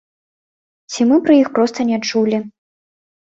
Ці мы пра іх проста не чулі.